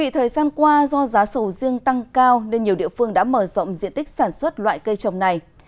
thời gian qua do giá sầu riêng tăng cao nên nhiều địa phương đã mở rộng diện tích sản xuất loại cây trồng này